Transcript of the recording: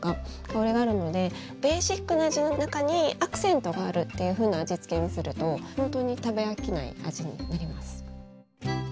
香りがあるのでベーシックな味の中にアクセントがあるっていうふうな味付けにするとほんとに食べ飽きない味になります。